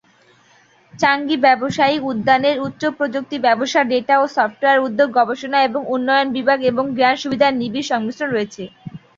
চাঙ্গি ব্যবসায়ী উদ্যানের উচ্চ প্রযুক্তি ব্যবসা, ডেটা ও সফ্টওয়্যার উদ্যোগ, গবেষণা এবং উন্নয়ন বিভাগ এবং জ্ঞান সুবিধার নিবিড় সংমিশ্রণ রয়েছে।